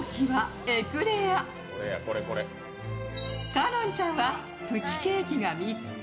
香音ちゃんはプチケーキが３つ。